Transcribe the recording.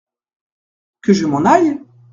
Que je m’en aille !…